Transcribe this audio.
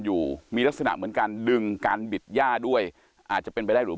อยู่มีลักษณะเหมือนการดึงการบิดย่าด้วยอาจจะเป็นไปได้หรือ